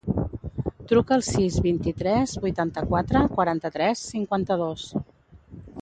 Truca al sis, vint-i-tres, vuitanta-quatre, quaranta-tres, cinquanta-dos.